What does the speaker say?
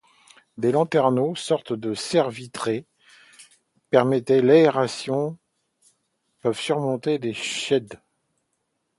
Des lanterneaux, sortes de serres vitrées permettant l'aération, peuvent surmonter les sheds.